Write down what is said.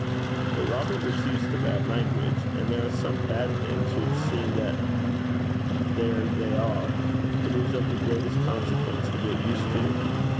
But Robert was used to bad language; and there are some bad things which, seeing that there they are, it is of the greatest consequence to get used to.